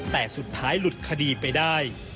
แต่สุดท้ายหลุดคดีไปได้